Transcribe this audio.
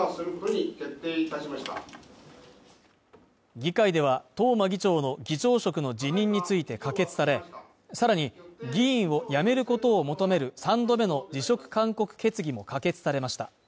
議会では、東間議長の議長職の辞任について可決され、さらに議員を辞めることを求める３度目の辞職勧告決議も可決されました。